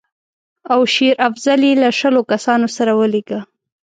او شېر افضل یې له شلو کسانو سره ولېږه.